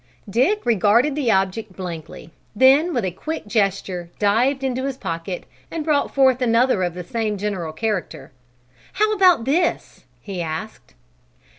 Dick regarded the object blankly, then with a quick gesture dived into his pocket and brought forth another of the same general character. "How about this?" he asked.